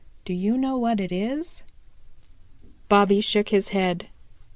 Do you know what it is?" Bobby shook his head.